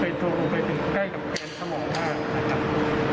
ไปถูกลงไปถึงใกล้กับเกณฑ์สมองมากนะครับ